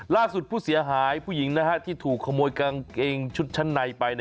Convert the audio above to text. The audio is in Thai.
ผู้เสียหายผู้หญิงที่ถูกขโมยกางเกงชุดชั้นในไป